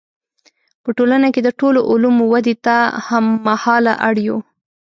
په ټولنه کې د ټولو علومو ودې ته هم مهاله اړ یو.